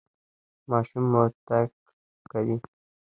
ماشوم مو تګ کوي؟